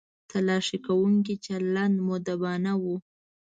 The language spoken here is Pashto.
تلاښي کوونکو چلند مؤدبانه و.